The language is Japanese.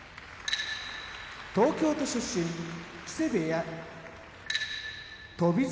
東京都出身木瀬部屋翔猿